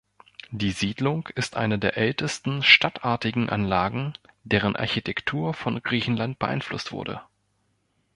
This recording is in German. Die Siedlung ist eine der ältesten stadtartigen Anlagen, deren Architektur von Griechenland beeinflusst wurde.